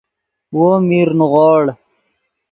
وو میر نیغوڑ